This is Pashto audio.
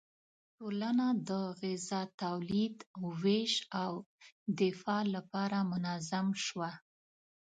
ټولنه د غذا تولید، ویش او دفاع لپاره منظم شوه.